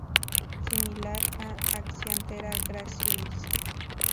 Similar a "Acianthera gracilis".